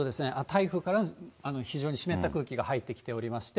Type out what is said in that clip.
台風から非常に湿った空気が入ってきておりまして、